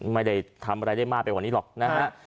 ไม่ได้ทำอะไรได้มากไปกว่านี้หรอกนะฮะ